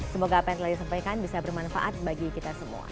semoga apa yang telah disampaikan bisa bermanfaat bagi kita semua